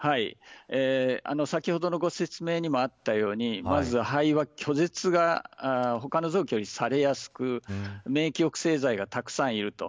先ほどのご説明にもあったようにまず肺は拒絶が他の臓器よりされやすく免疫抑制剤がたくさんいると。